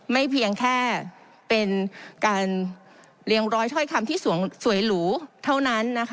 เพียงแค่เป็นการเรียงร้อยถ้อยคำที่สวยหรูเท่านั้น